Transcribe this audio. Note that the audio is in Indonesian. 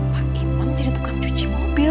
pak imam jadi tukang cuci mobil